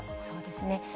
そうですね。